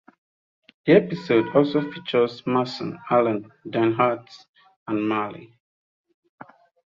The episode also features Mason Alan Dinehart as Marly.